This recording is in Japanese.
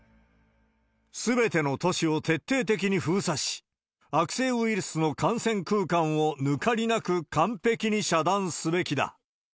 すべての都市を徹底的に封鎖し、悪性ウイルスの感染空間を抜かりなく完璧に遮断すべきだ。